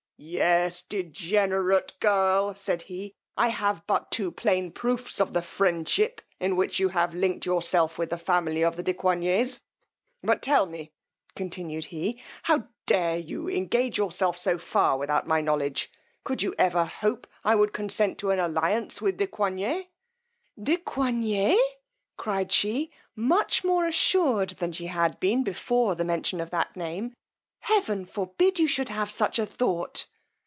Yes, degenerate girl! said he, I have but too plain proofs of the friendship in which you have linked yourself with the family of the de Coigney's; but tell me, continued he, how dare you engage yourself so far without my knowledge? could you ever hope I would consent to an alliance with de Coigney? De Coigney! cried she, much more assured than she had been before the mention of that name, heaven forbid you should have such a thought!